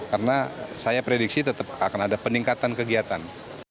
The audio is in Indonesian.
karena saya prediksi tetap akan ada peningkatan kegiatan